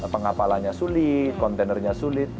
pengapalannya sulit kontainernya sulit